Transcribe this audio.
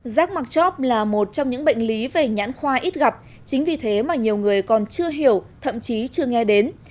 giác mạc chóp là một trong những bệnh lý về nhãn khoa ít gặp chính vì thế mà nhiều người còn chưa hiểu thậm chí chưa nghe đến